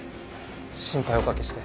心配お掛けして。